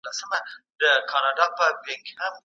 قدرت نیول او د قدرت لېونوتب وو، دفاع وکړي.